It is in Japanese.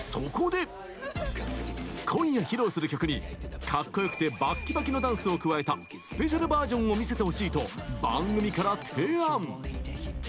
今夜、披露する曲にカッコよくてバッキバキのダンスを加えたスペシャルバージョンを見せてほしいと番組から提案。